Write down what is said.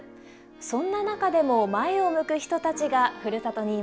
そんな中でも前を向く人たちがふるさとにいます。